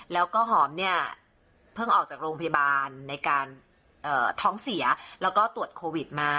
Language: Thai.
แล้วก็หอมเนี่ยเพิ่งออกจากโรงพยาบาลในการท้องเสียแล้วก็ตรวจโควิดมา